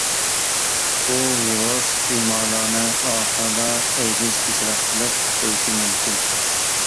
بۇ ۋىرۇس بىمارلارنى ئاخىرىدا ئەيدىز كېسىلى قىلىپ قويۇشى مۇمكىن.